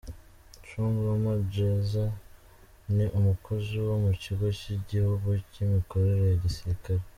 Come Loma Djesa, ni umukozi wo mu kigo cy’igihugu cy’imikorere ya gisirikare.